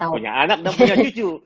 punya anak dan punya cucu